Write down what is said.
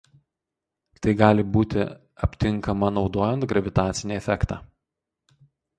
Tai gali būti aptinkama naudojant gravitacinį efektą.